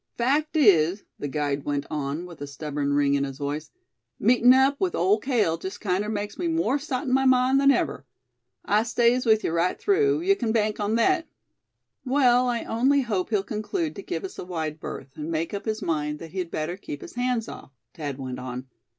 Fact is," the guide went on, with a stubborn ring in his voice, "meetin' up with Ole Cale jest kinder makes me more sot in my mind than ever. I stays with yuh right through, yuh kin bank on thet." "Well, I only hope he'll conclude to give us a wide berth, and make up his mind that he'd better keep his hands off," Thad went on.